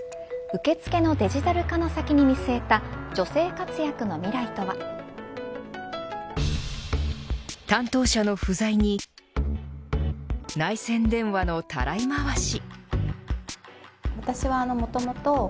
受付のデジタル化の先に見据えた担当者の不在に内線電話のたらい回し。